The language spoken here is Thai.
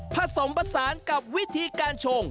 ผสมผสานกับวิธีการชง